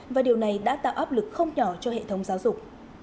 và điều này đã tạo áp lực không nhỏ cho hệ thống giáo dục